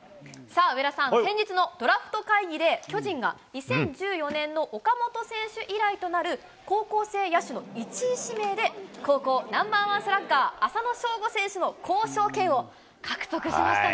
上田さん、先日のドラフト会議で、巨人が２０１４年の岡本選手以来となる高校生野手の１位指名で、高校ナンバー１スラッガー、浅野翔吾選手の交渉権を獲得しま